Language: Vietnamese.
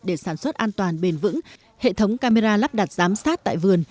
để sản xuất an toàn bền vững hệ thống camera lắp đặt giám sát tại vườn